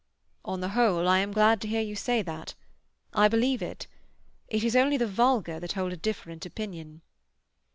"On the whole, I am glad to hear you say that. I believe it. It is only the vulgar that hold a different opinion."